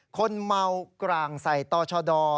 คนเมากรางใสต่อชาวดอร์